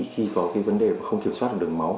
khi có vấn đề không kiểm soát được đường máu